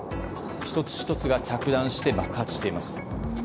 １つ１つが着弾して爆発しています。